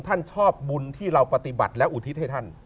ท่านชอบบุญที่เราปฏิบัติและอุทิศให้ท่าน